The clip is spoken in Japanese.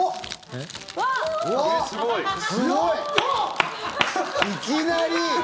いきなり。